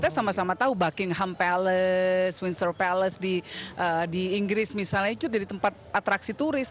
karena sama sama tahu buckingham palace windsor palace di inggris misalnya itu jadi tempat atraksi turis